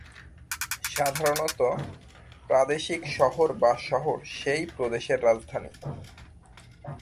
সাধারণত, প্রাদেশিক শহর বা শহর সেই প্রদেশের রাজধানী।